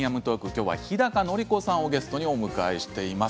今日は日高のり子さんをゲストにお迎えしています。